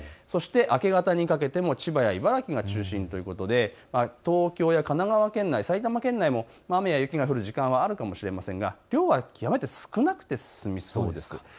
そして明け方にかけても千葉や茨城が中心ということで東京や神奈川県内、埼玉県内も雨や雪が降る時間はあるかもしれませんが量は極めて少なくて済みそうです。